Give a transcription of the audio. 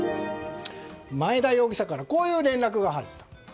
マエダ容疑者からこういう連絡が入ったんです。